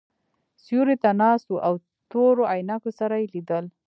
سیوري ته ناست وو او تورو عینکو سره یې لیدل.